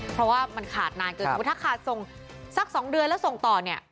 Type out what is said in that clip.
เพราะว่ามันขาดนานเกินสมมุติถ้าขาดส่งสัก๒เดือนแล้วส่งต่อเนี่ย